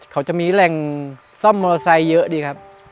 เขาจะมีแหล่งซ่อมมอเตอร์ไซค์เยอะดีครับ